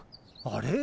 あれ？